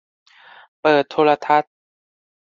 เปิดโทรทัศน์